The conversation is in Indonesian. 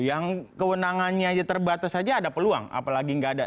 yang kewenangannya aja terbatas saja ada peluang apalagi nggak ada